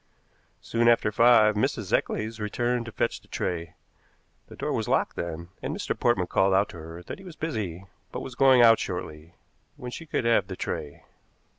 Soon after five Mrs. Eccles returned to fetch the tray. The door was locked then, and Mr. Portman called out to her that he was busy, but was going out shortly, when she could have the tray.